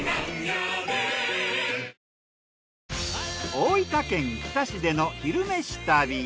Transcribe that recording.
大分県日田市での「昼めし旅」。